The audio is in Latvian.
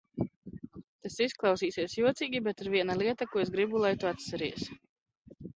Tas izklausīsies jocīgi, bet ir viena lieta, ko es gribu, lai tu atceries.